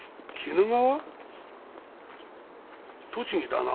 栃木だな。